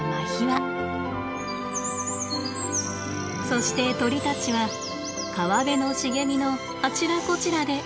そして鳥たちは川辺の茂みのあちらこちらで子育てを始めます。